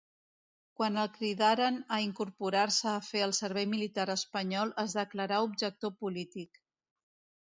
Quan el cridaren a incorporar-se a fer el servei militar espanyol es declarà objector polític.